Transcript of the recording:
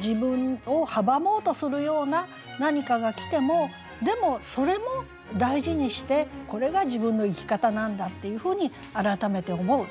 自分を阻もうとするような何かが来てもでもそれも大事にしてこれが自分の生き方なんだっていうふうに改めて思う。